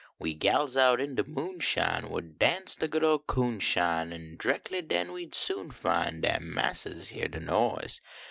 We gals out in de moonshine Would dance de good ol coonjine. An dreckly den we d soon fin Dat missus heah de noise.